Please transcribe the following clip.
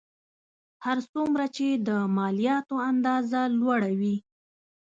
هر څومره چې د مالیاتو اندازه لوړه وي